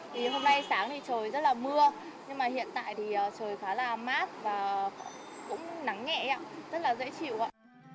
thì hôm nay sáng thì trời rất là mưa nhưng mà hiện tại thì trời khá là mát và cũng nắng nhẹ rất là dễ chịu ạ